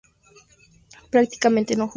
Prácticamente, no jugó.